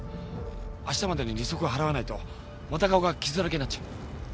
あしたまでに利息払わないとまた顔が傷だらけになっちゃう。